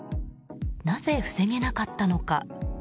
なぜ防げなかったのか。